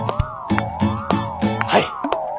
はい！